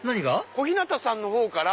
小日向さんの方から。